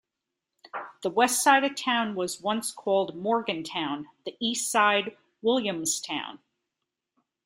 The west side of the town was once called Morgantown; the east side, Williamstown.